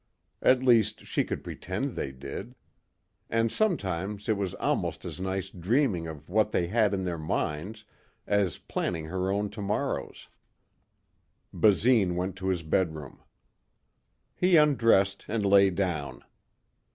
At least she could pretend they did. And sometimes it was almost as nice dreaming of what they had in their minds as planning her own tomorrows. Basine went to his bedroom. He undressed and lay down.